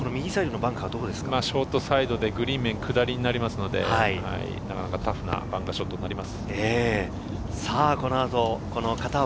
ショートサイドでグリーン面、下りになりますので、タフなバンカーショットになりま